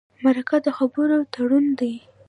مرکه د خبرو تړون دی.